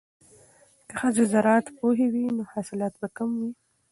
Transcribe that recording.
که ښځې زراعت پوهې وي نو حاصلات به کم نه وي.